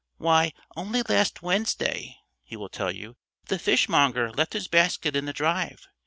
"Why only last Wednesday," he will tell you, "the fishmonger left his basket in the drive.